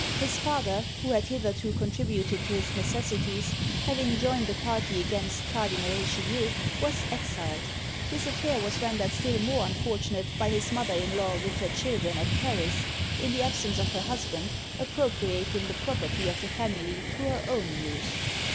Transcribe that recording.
His father, who had hitherto contributed to his necessities, having joined a party against Cardinal Richelieu, was exiled. This affair was rendered still more unfortunate by his mother in law with her children at Paris, in the absence of her husband, appropriating the property of the family to her own use.